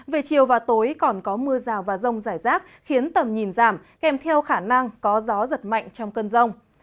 về chiều và tối còn có mưa rào và rông rải rác khiến tầm nhìn giảm kèm theo khả năng có gió giật mạnh trong cơn rông